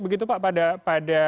begitu pak pada